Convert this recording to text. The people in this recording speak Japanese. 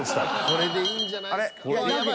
これでいいんじゃないすか。